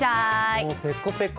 もうペコペコ。